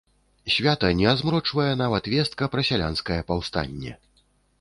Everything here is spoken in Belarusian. Свята не азмрочвае нават вестка пра сялянскае паўстанне.